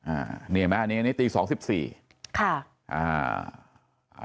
อ่านี่เห็นไหมอันนี้ตีสองสิบสี่ค่ะอ่า